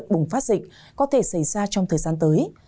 bùng phát dịch có thể xảy ra trong thời gian tới